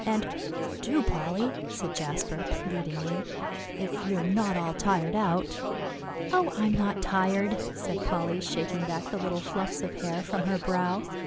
And "do, Polly" said Jasper pleadingly, "if you are not all tired out." "Oh, I'm not tired!" said Polly, shaking back the little fluffs of hair from her brow.